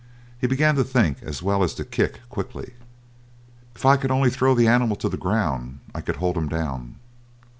He began to think as well as to kick quickly. "If I could only throw the animal to the ground I could hold him down."